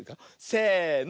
せの。